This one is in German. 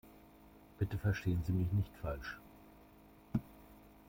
Bitte verstehen Sie mich nicht falsch.